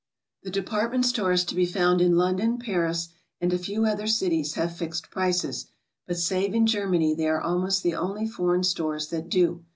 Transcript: The department stores to be found in London, Paris and a few other cities have fixed prices, but save in Germany they are almost the only foreign stores that do.